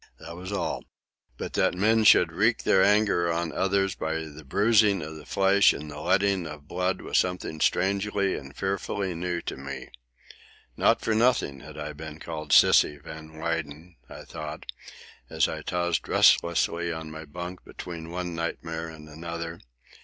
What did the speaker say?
That was all. But that men should wreak their anger on others by the bruising of the flesh and the letting of blood was something strangely and fearfully new to me. Not for nothing had I been called "Sissy" Van Weyden, I thought, as I tossed restlessly on my bunk between one nightmare and another.